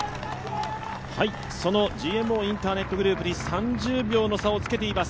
ＧＭＯインターネットグループに３０秒の差をつけています